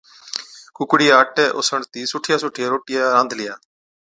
ڪُوڪڙِيئَي آٽَي اوسڻتِي سُٺِيا سُٺِيا روٽِيا رانڌلِيا۔